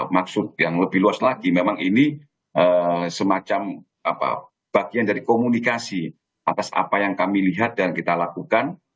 maksud yang lebih luas lagi memang ini semacam bagian dari komunikasi atas apa yang kami lihat dan kita lakukan